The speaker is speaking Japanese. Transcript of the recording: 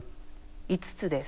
５つです。